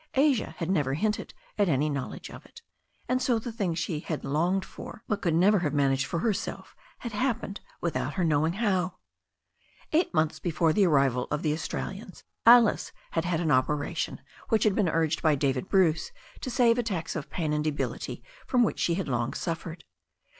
Asia had never hinted at any knowl edge of it. And so the thing she had longed for, but CA^a!^ 284 THE STORY OF A NEW ZEALAND RIVER never have managed for herself, had happened without her knowing how. Eight months before the arrival of the Australians Alice had had an operation which had been urged by David Bruce to save attacks of pain and debility from which she had long suffered.